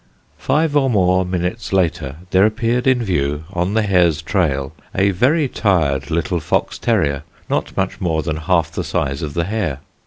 Five or more minutes later there appeared in view, on the hare's trail, a very tired little fox terrier not much more than half the size of the hare.